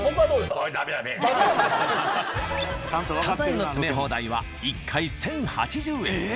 サザエの詰め放題は１回１、０８０円。